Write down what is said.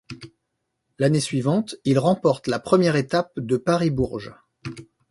L'année suivante, il remporte la première étape de Paris-Bourges.